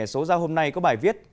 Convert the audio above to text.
số giao hôm nay có bài viết